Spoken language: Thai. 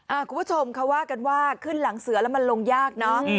คุณผู้ชมเขาว่ากันว่าขึ้นหลังเสือแล้วมันลงยากเนอะ